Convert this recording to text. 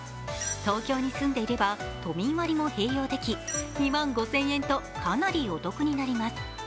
東京に住んでいれば、都民割も併用でき、２万５０００円とかなりお得になります